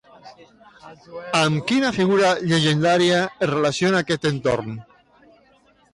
Amb quina figura llegendària es relaciona aquest entorn?